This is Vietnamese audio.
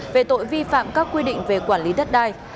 về tội vi phạm các quy định về quản lý đất đai